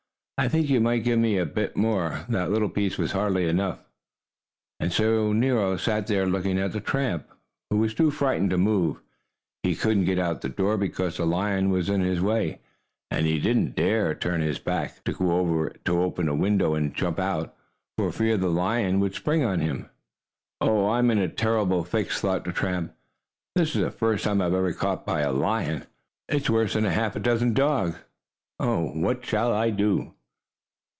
"I think you might give me a bit more. That little piece was hardly enough." And so Nero sat there looking at the tramp, who was too frightened to move. He couldn't get out of the door, because the lion was in the way, and he didn't dare turn his back, to go over to open a window and jump out, for fear the lion would spring on him. "Oh, I'm in a terrible fix!" thought the tramp. "This is the first time I was ever caught by a lion! It's worse than half a dozen dogs! Oh, what shall I do?"